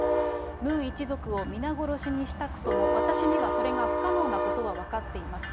ムン一族を皆殺しにしたくとも、私にはそれが不可能なことは分かっています。